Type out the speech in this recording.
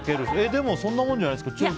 でもそんなものじゃないですか？